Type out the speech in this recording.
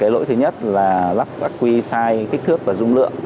lỗi thứ nhất là lắp ác quy sai kích thước và dung lượng